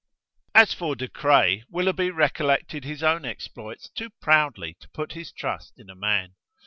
As for De Craye, Willoughby recollected his own exploits too proudly to put his trust in a man.